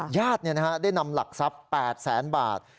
ญาติได้นำหลักทรัพย์๘แสนบาท